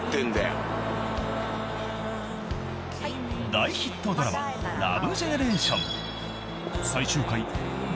［大ヒットドラマ『ラブジェネレーション』］